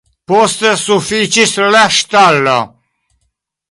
Poste sufiĉis la ŝtalo.